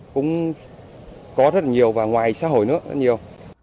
cũng có rất nhiều và ngoài xã hội nữa rất nhiều